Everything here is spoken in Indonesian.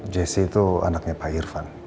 jessy itu anaknya pak irvan